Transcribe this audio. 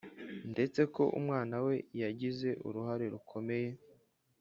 ndetse ko umwana we yagize uruhare rukomeye